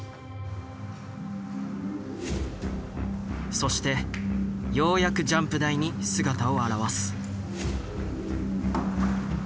そしてようやくジャンプ台に姿を現す。